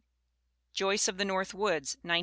Joyce of the North Woods, 1911.